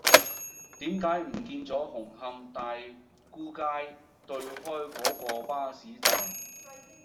點解唔見左紅磡大沽街對開嗰個巴士站